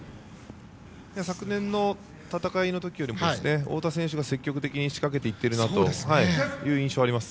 昨年の戦いのときより太田選手が積極的に仕掛けていってる印象があります。